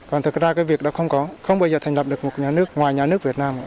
còn thực ra cái việc đó không có không bao giờ thành lập được một nhà nước ngoài nhà nước việt nam